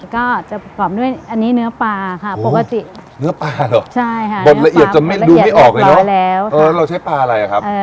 ก็จะประกอบด้วยอันนี้เนื้อปลาค่ะปกติเนื้อปลาเหรอใช่ค่ะแบบละเอียดจะดูไม่ออกเลยเนอะเราใช้ปลาอะไรอ่ะครับ